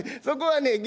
そこはね